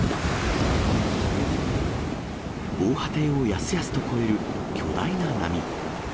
防波堤をやすやすと越える巨大な波。